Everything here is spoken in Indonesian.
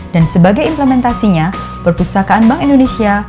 dan sebagai implementasinya perpustakaan bank indonesia